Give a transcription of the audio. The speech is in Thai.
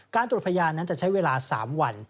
ตรวจพยานนั้นจะใช้เวลา๓วัน